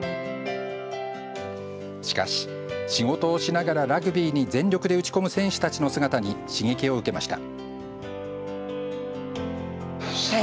しかし仕事をしながらラグビーに全力で打ち込む選手たちの姿に刺激を受けました。